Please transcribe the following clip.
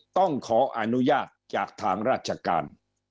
ต้องขออนุญาตจากทางราชการ